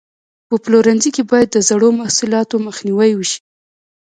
په پلورنځي کې باید د زړو محصولاتو مخنیوی وشي.